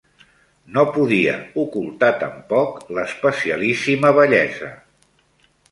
No podia ocultar tampoc l'especialíssima bellesa